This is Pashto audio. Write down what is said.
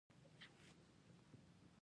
د محصل لپاره ټولګی د زده کړې کور دی.